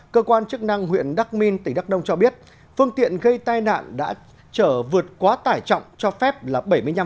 cơ quan chức năng huyện đắc minh tỉnh đắk đông cho biết phương tiện gây tai nạn đã trở vượt quá tải trọng cho phép là bảy mươi năm